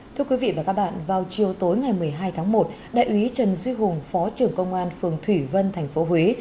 thưa quý vị và các bạn vào chiều tối ngày một mươi hai tháng một đại úy trần duy hùng phó trưởng công an phường thủy vân tp huế